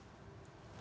sedang makan pak prabowo